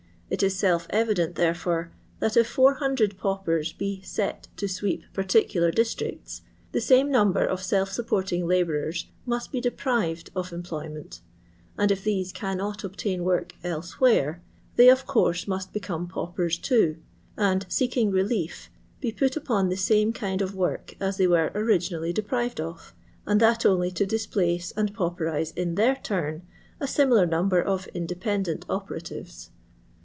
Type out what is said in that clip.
It is self evident, therefore, that if 400 paupers bo "set " to sweep particular districts, the same num ber of self supporting labourers must be deprived of employment, and if these cannot obtain work elsewhere, they of course must become paupers too, and, seeking relief, be put upon the same kind of work as they were originally deprived ot, and that only to displace and panperiso m their turn a similar number of independent operatives.